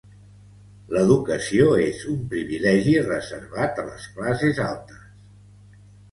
L'educació és un privilegi reservat a les classes altes.